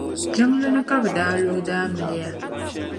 Jiŋli ni ka bɛ daa lo o daa miliya.